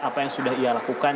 apa yang sudah ia lakukan